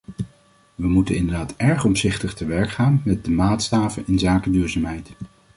We moeten inderdaad erg omzichtig te werk gaan met de maatstaven inzake duurzaamheid.